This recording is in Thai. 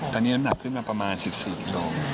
ตอนนี้น้ำหนักขึ้นมาประมาณ๑๔กิโล